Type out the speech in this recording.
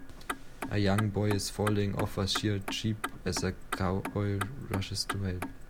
A young boy is falling off a sheared sheep as a cowboy rushes to help.